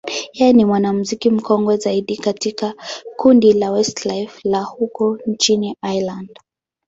yeye ni mwanamuziki mkongwe zaidi katika kundi la Westlife la huko nchini Ireland.